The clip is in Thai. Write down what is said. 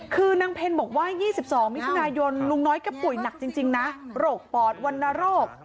คือนางเพลบอกว่า๒๒มิถุนายนลุงน้อยก็ป่วยหนักจริงนะโรคปอดวรรณโรค